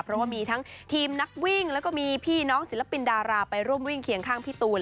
เพราะว่ามีทั้งทีมนักวิ่งแล้วก็มีพี่น้องศิลปินดาราไปร่วมวิ่งเคียงข้างพี่ตูน